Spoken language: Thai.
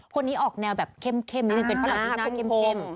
คนนี้ออกแนวแบบเข้มนิดนึงเป็นฝรั่งที่หน้าเข้ม